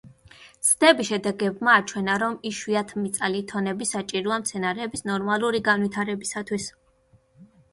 ცდების შედეგებმა აჩვენა რომ იშვიათმიწა ლითონები საჭიროა მცენარეების ნორმალური განვითარებისათვის.